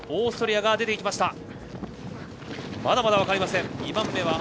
オーストリアが行きました。